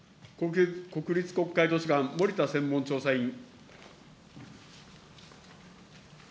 国立国会図書館、森田専門調査員。